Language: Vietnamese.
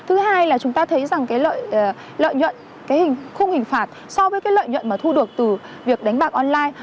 thứ hai là chúng ta thấy rằng cái lợi nhuận cái hình khung hình phạt so với cái lợi nhuận mà thu được từ việc đánh bạc online